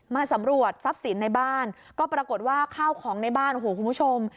มาสำรวจทรัพย์สินในบ้านก็ปรากฏว่าข้าวของในบ้านโอ้โหคุณผู้ชม